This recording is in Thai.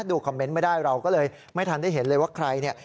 คอมเมนต์ไม่ได้เราก็เลยไม่ทันได้เห็นเลยว่าใครเนี่ย